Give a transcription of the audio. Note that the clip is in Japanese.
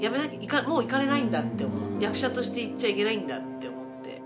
もう行かれないんだ役者として行っちゃいけないんだって思って。